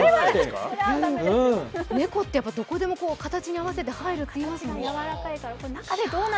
猫って、どこでも形に合わせて入るっていいますもんね。